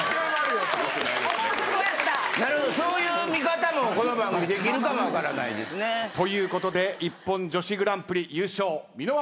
そういう見方もこの番組できるかもわからないですね。ということでＩＰＰＯＮ女子グランプリ優勝箕輪はるかさん